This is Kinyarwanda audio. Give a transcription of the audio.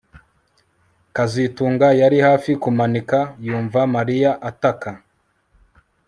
kazitunga yari hafi kumanika yumva Mariya ataka